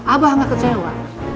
abah gak kecewa